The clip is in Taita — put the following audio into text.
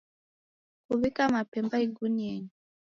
Kuwika mapemba igunienyi.